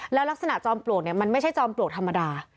แล้วลักษณะจอมปลวกเนี่ยมันไม่ใช่จอมปลวกธรรมดา